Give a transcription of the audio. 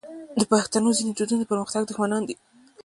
د پښتنو ځینې دودونه د پرمختګ دښمنان دي.